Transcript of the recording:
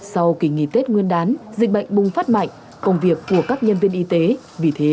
sau kỳ nghỉ tết nguyên đán dịch bệnh bùng phát mạnh công việc của các nhân viên y tế vì thế